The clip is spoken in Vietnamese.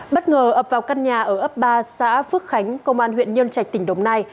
bất ngờ ập vào căn nhà ở ấp ba xã phước khánh công an huyện nhân trạch tỉnh đồng nai